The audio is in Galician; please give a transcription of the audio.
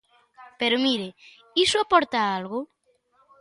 Pero, mire, ¿iso aporta algo?